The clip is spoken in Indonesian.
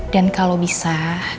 dan kalau bisa